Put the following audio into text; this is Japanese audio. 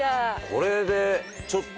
これでちょっと。